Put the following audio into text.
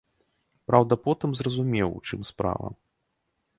Праўда, потым зразумеў, у чым справа.